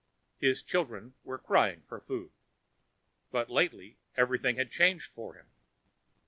His children were crying for food. But lately everything had changed for him.